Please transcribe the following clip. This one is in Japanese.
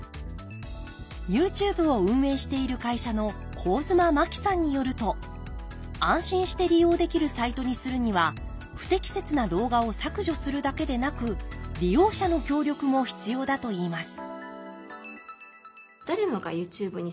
ＹｏｕＴｕｂｅを運営している会社の上妻真木さんによると安心して利用できるサイトにするには不適切な動画を削除するだけでなく利用者の協力も必要だといいます